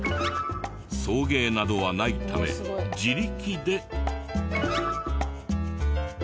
送迎などはないため自力で。